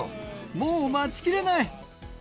もう待ちきれない。